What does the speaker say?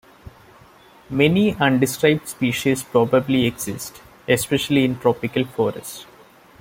Many undescribed species probably exist, especially in tropical forests.